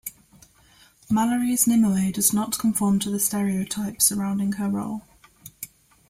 Malory's Nimue does not conform to the stereotypes surrounding her role.